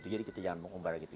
jadi kita jangan mengumbar gitu